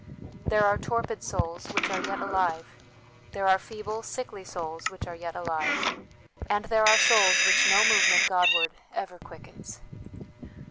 There are torpid souls, which are yet alive ; there are feeble, sickly souls, which are yet alive ; and there are souls which no movement Godward ever quickens.